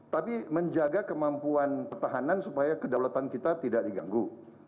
tapi menjaga kemampuan pertahanan supaya kedaulatan kita tidak diganggu